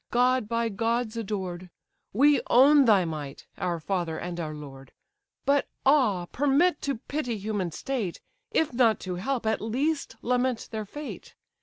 God, by gods adored We own thy might, our father and our lord! But, ah! permit to pity human state: If not to help, at least lament their fate.